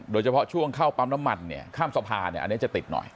โดยเฉพาะช่วงเข้าปั๊มน้ำมันเนี่ยข้ามสะพานอันนี้จะติดหน่อย